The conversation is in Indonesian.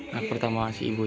anak pertama si ibu ya